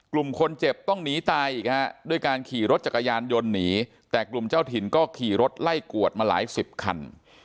กลุ่มคนเจ็บต้องหนีตายอีกฮะด้วยการขี่รถจักรยานยนต์หนีแต่กลุ่มเจ้าถิ่นก็ขี่รถไล่กวดมาหลายสิบคัน